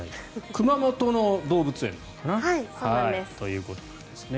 熊本の動物園なのかな。ということなんですね。